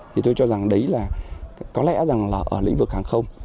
thì tôi cho rằng đấy là có lẽ rằng là ở lĩnh vực hàng không